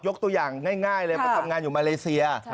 ตัวอย่างง่ายเลยมาทำงานอยู่มาเลเซีย